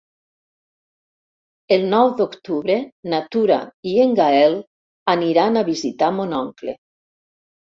El nou d'octubre na Tura i en Gaël aniran a visitar mon oncle.